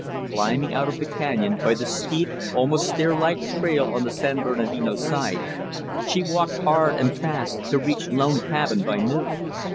Climbing out of the canyon, by the steep, almost stair like trail on the San Bernardino side, she walked hard and fast to reach Lone Cabin by noon.